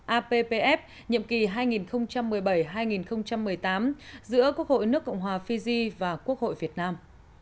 appf nhiệm kỳ hai nghìn một mươi bảy hai nghìn một mươi tám giữa quốc hội nước cộng hòa fiji và quốc hội việt nam